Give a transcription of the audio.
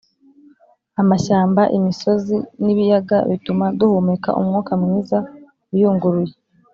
Amashyamba, imisozi n'ibiyaga bituma duhumeka umwuka mwiza uyunguruye.